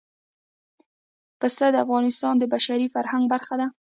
پسه د افغانستان د بشري فرهنګ برخه ده.